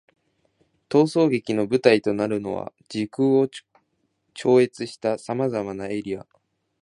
逃走劇の舞台となるのは、時空を超越した様々なエリア。